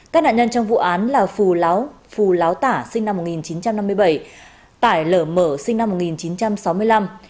các nạn nhân trong vụ án là phù láo phù láo tả sinh năm một nghìn chín trăm năm mươi bảy tải lở mở sinh năm một nghìn chín trăm sáu mươi năm